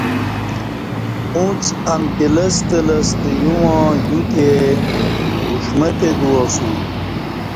اُݩڅ امکی لستہ لستہ یوواں یوتی اُݜمہ تی گُواسُوم